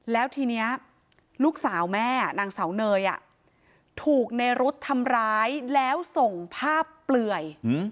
แล้วทีนี้ลูกสาวแม่นางเสาเนยถูกในรุ๊ดทำร้ายแล้วส่งภาพเปลื่อย